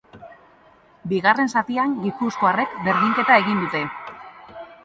Bigarren zatian, gipuzkoarrek berdinketa egin dute.